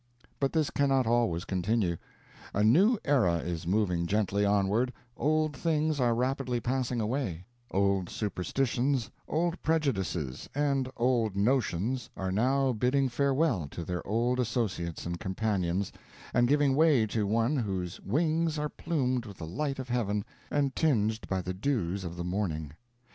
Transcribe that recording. But this cannot always continue. A new era is moving gently onward, old things are rapidly passing away; old superstitions, old prejudices, and old notions are now bidding farewell to their old associates and companions, and giving way to one whose wings are plumed with the light of heaven and tinged by the dews of the morning.